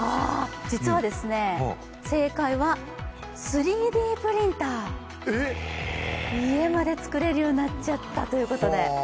実は正解は３Ｄプリンター、家まで造れるようになっちゃったということで。